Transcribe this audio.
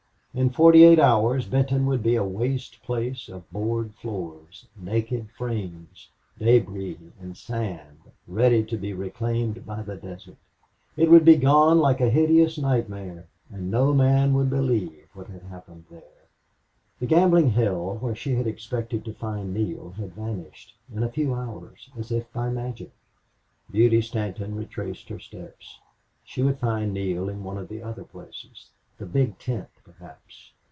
In forty eight hours Benton would be a waste place of board floors, naked frames, debris and sand, ready to be reclaimed by the desert. It would be gone like a hideous nightmare, and no man would believe what had happened there. The gambling hell where she had expected to find Neale had vanished, in a few hours, as if by magic. Beauty Stanton retraced her steps. She would find Neale in one of the other places the Big Tent, perhaps.